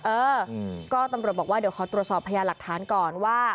เออก็ตำรวจบอกว่าเดี๋ยวขอตรวจสอบพยาหลักฐานก่อนว่า